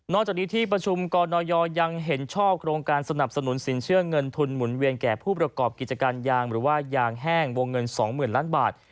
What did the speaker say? จากนี้ที่ประชุมกรณยยังเห็นชอบโครงการสนับสนุนสินเชื่อเงินทุนหมุนเวียนแก่ผู้ประกอบกิจการยางหรือว่ายางแห้งวงเงิน๒๐๐๐ล้านบาท